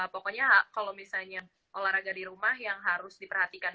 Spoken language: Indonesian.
pokoknya kalau misalnya olahraga di rumah yang harus diperhatikan